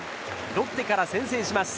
ロッテから先制します。